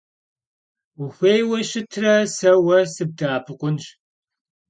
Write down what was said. Vuxuêyue şıtre, se vue sıbde'epıkhunş?